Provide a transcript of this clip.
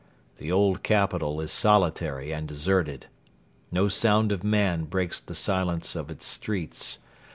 The old capital is solitary and deserted. No sound of man breaks the silence of its streets.